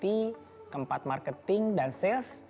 yang keempat marketing dan sales